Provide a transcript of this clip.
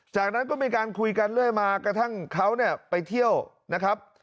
จากนั้นก็มีการคุยกันเรื่อยมากระทั่งเขาเนี่ยไปเที่ยวนะครับ